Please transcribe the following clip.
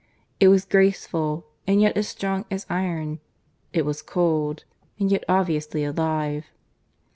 It was graceful and yet as strong as iron; it was cold, and yet obviously alive.